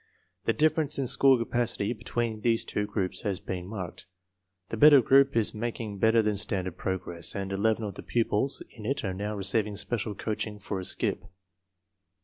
The difference in school capacity be tween these two groups has been marked. The better group is making better than standard progress, and 11 of the pupils in it are now receiving special coaching for a "skip."